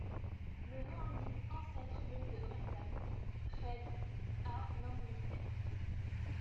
Le nom indique ancêtres venu de Brenton, près d', à l'Angleterre.